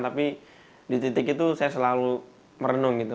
tapi di titik itu saya selalu merenung gitu